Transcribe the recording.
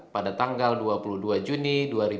pada tanggal dua puluh dua juni dua ribu dua puluh